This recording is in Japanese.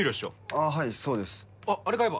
ああはいそうですあっあれ買えば？